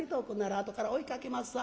あとから追いかけまっさ』。